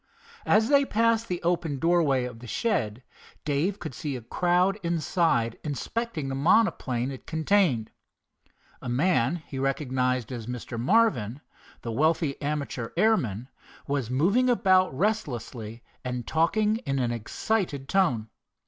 As they passed the open doorway of the shed Dave could see a crowd inside inspecting the monoplane it contained. A man he recognized as Mr. Marvin, the wealthy amateur airman, was moving about restlessly and talking in an exciting tone.